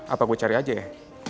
apa gue cari aja ya